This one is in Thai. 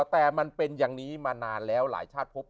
แต่มันเป็นอย่างนี้มานานแล้วหลายชาติพบ